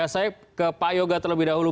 saya ke pak yoga terlebih dahulu